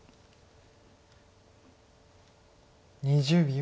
２０秒。